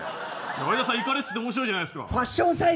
相田さんいかれてていいじゃないですか。